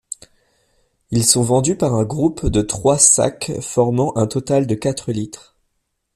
Ils sont vendus par groupe de trois sacs formant un total de quatre litres.